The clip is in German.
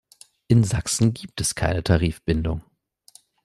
In Sachsen gibt es keine Tarifbindung.